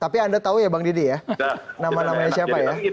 tapi anda tahu ya bang didi ya nama namanya siapa ya